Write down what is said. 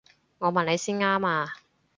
我問你先啱啊！